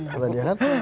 kata dia kan